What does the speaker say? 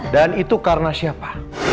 dan itu karena siapa